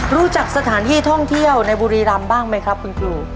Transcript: รู้จักสถานที่ท่องเที่ยวในบุรีรำบ้างไหมครับคุณครู